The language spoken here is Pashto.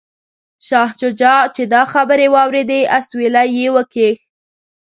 شاه شجاع چې دا خبرې واوریدې اسویلی یې وکیښ.